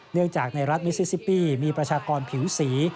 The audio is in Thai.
เนื่องจากในรัฐมิซิซิปี้มีประชากรผิวสี